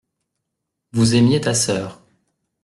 Vous aimiez ta sœur.